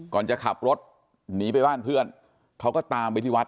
ก่อนจะขับรถหนีไปบ้านเพื่อนเขาก็ตามไปที่วัด